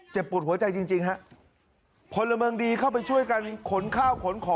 เป็นปุ่นหัวใจจริงฮะพลเมิงดีเข้าไปช่วยกันขนข้าวขนขอ